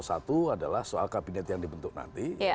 satu adalah soal kabinet yang dibentuk nanti